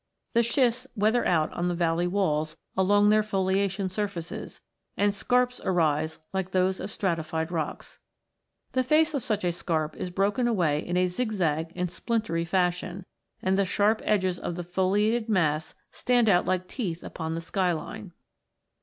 The schists weather out on the valley walls along their foliation surfaces, and scarps arise like those of stratified rocks. The face of such a scarp is broken away in a zigzag and splintery fashion, and the sharp edges of the foliated mass stand out like teeth upon the sky line.